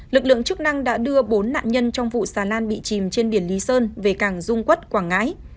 lực lượng chức năng đã đưa bốn nạn nhân trong vụ xà lan bị chìm trên biển lý sơn về cảng dung quất quảng ngãi